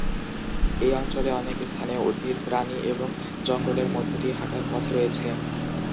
এই অঞ্চলে অনেক স্থানীয় উদ্ভিদ, প্রাণী এবং জঙ্গলের মধ্য দিয়ে হাঁটার পথ রয়েছে।